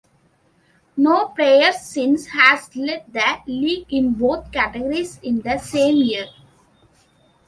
No player since has led the league in both categories in the same year.